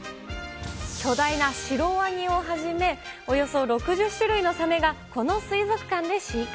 巨大なシロワニをはじめ、およそ６０種類のサメがこの水族館で飼育。